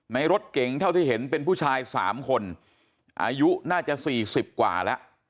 ในรถเก๋งเท่าที่เห็นเป็นผู้ชาย๓คนอายุน่าจะ๔๐กว่าแล้ว